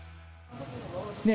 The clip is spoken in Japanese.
ねえ。